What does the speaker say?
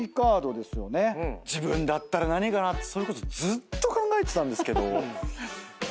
自分だったら何かなってずっと考えてたんですけど。